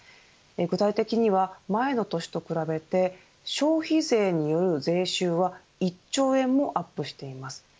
具体的には、前の年と比べて消費税による税収は１兆円もアップしています。